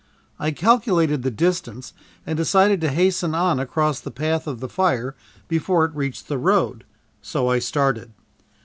I calculated the distance and decided to hasten on across the path of the fire before it reached the road, so I started.